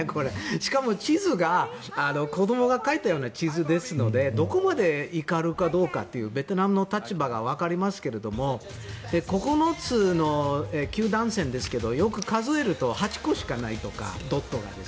しかも地図が子どもが描いたような地図ですのでどこまで怒るかどうかというベトナムの立場がわかりますが９つの九段線ですがよく数えると８個しかないとか、ドットが。